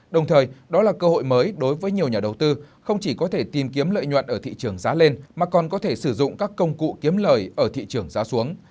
đồng thời đó là cơ hội mới đối với nhiều nhà đầu tư không chỉ có thể tìm kiếm lợi nhuận ở thị trường giá lên mà còn có thể sử dụng các công cụ kiếm lời ở thị trường giá xuống